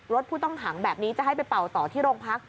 รถผู้ต้องขังแบบนี้จะให้ไปเป่าต่อที่โรงพัก